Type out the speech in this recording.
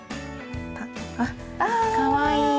あっかわいい。